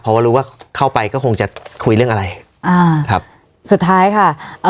เพราะว่ารู้ว่าเข้าไปก็คงจะคุยเรื่องอะไรอ่าครับสุดท้ายค่ะเอ่อ